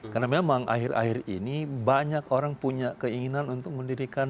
karena memang akhir akhir ini banyak orang punya keinginan untuk mendirikan